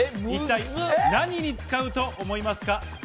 一体何に使うと思いますか？